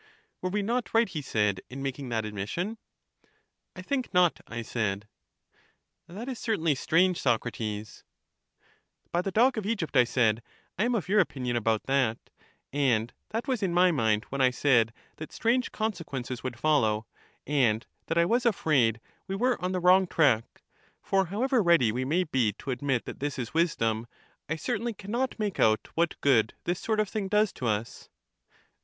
Were we not right, he said, in making that admis sion? I think not, I said. That is certainly strange, Socrates..^ GooqIc CHARMIDES 37 By the dog of Egypt, I said, I am of your opinion about that : and that was in my mind when I said that strange consequences would follow, and that I was afraid we were on the wrong track; for however ready we may be to admit that this is wisdom, I certainly can not make out what good this sort of thing does to us.